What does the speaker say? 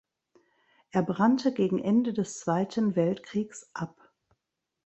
Er brannte gegen Ende des Zweiten Weltkriegs ab.